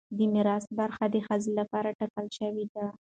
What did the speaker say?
د میراث برخه د ښځې لپاره ټاکل شوې ده.